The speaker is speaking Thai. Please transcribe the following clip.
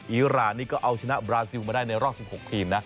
อีรานนี้ก็เอาชนะมาได้ในรอสรีของหกทีมนะ